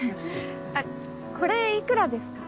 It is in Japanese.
あっこれ幾らですか？